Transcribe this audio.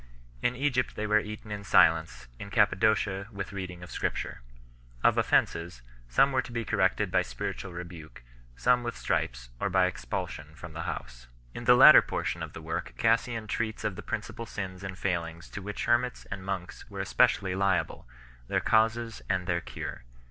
In Egypt they were eaten in silence, in Cappadocia with reading of Scripture 4 . Of offences, some I were to be corrected by spiritual rebuke, some with stripes i or by expulsion from the house 5 . In the latter portion of the work Cassian treats of the principal sins and failings to which hermits and monks f ailin o 8 were especially liable, their causes and their cure.